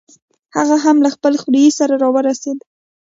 هغه هم له خپل خوریي سره راورسېد.